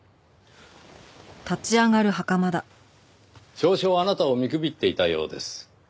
少々あなたを見くびっていたようです。